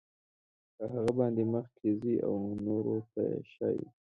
په هغه باندې مخکې ځي او نورو ته ښایي.